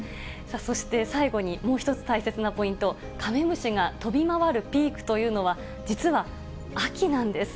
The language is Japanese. そして最後にもう一つ大切なポイント、カメムシが飛び回るピークというのは、実は秋なんです。